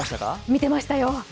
見てましたよ。